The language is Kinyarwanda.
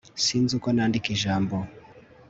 sinzi uko nandika ijambo